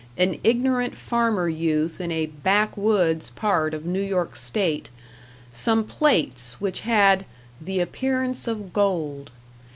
an ignorant farmer youth in a "backwoods" part of New York State, some plates which had "the appearance of gold".